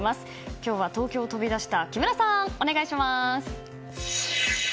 今日は東京を飛び出した木村さん、お願いします！